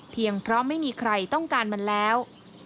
เพราะไม่มีใครต้องการมันแล้ว